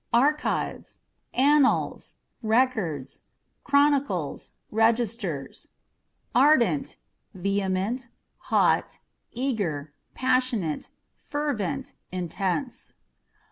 ARCHiVES r^nnals, records, chronicles, registers. Ardent â€" vehement, hot, eager, passionate, fervent, intense.